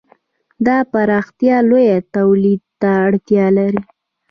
دا پراختیا لوی تولید ته اړتیا لري.